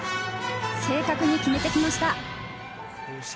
正確に決めてきました。